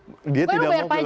pokoknya lu bayar pajak gitu